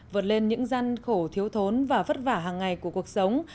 vượt lên những gian khổ thiếu thốn và vất vả hàng ngày của cuộc sống